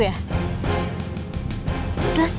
ya gak usah lah put